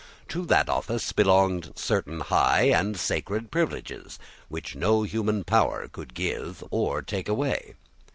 To that office belonged certain high and sacred privileges, which no human power could give or take away.